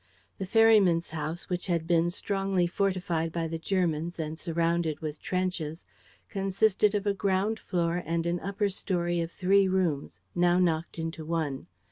The ferryman's house, which had been strongly fortified by the Germans and surrounded with trenches, consisted of a ground floor and an upper story of three rooms, now knocked into one.